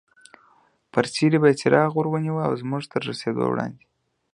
پر څېرې به یې څراغ ور ونیو، زموږ تر رسېدو وړاندې.